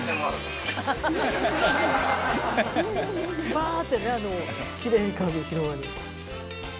「バーッてねあのきれいに広がる」